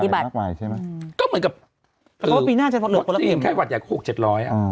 ถ้างานยักษ์ใหม่ใช่ไหมก็เหมือนกับเขาว่าปีหน้าจะเหลือแค่วัดอยากคลูกเจ็ดร้อยอ่ะ